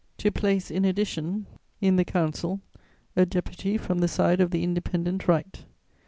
"To place in addition in the Council a deputy from the side of the Independent Right.